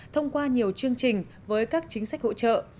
thông qua nhiều chương trình với các chính sách hỗ trợ